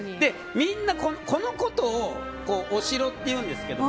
みんな、中央のもののことをお城っていうんですけど。